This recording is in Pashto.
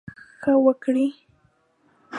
ښه وکړٸ.